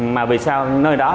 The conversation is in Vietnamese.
mà vì sao nơi đó